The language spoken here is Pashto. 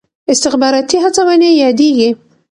استخباراتي هڅونې یادېږي.